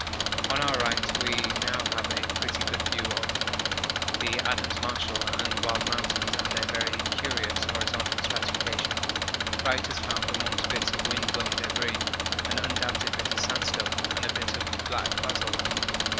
On our right we have now a pretty good view of the Adams Marshall and Wild Mountains and their very curious horizontal stratification. Wright has found, amongst bits of wind blown debris, an undoubted bit of sandstone and a bit of black basalt.